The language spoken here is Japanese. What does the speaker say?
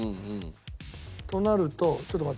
となるとちょっと待てよ。